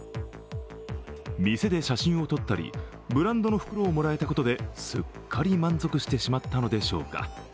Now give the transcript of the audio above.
店で写真を撮ったりブランドの袋をもらえたことですっかり満足してしまったのでしょうか。